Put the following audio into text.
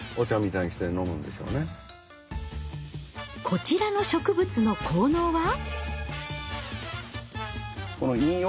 こちらの植物の効能は？